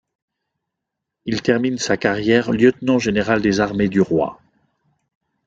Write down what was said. Il termine sa carrière Lieutenant général des armées du roi.